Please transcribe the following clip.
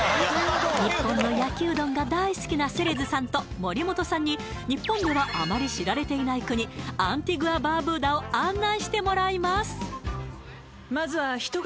日本の焼きうどんが大好きなセレズさんと森本さんに日本ではあまり知られていない国アンティグア・バーブーダを案内してもらいます